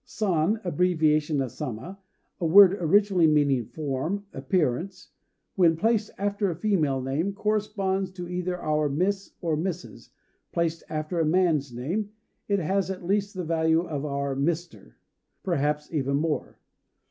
"San" (abbreviation of Sama, a word originally meaning "form," "appearance"), when placed after a female name, corresponds to either our "Miss" or "Mrs." Placed after a man's name it has at least the value of our "Mr.", perhaps even more.